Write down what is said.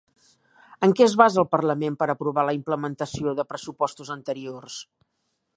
En què es basa el Parlament per aprovar la implementació de pressupostos anteriors?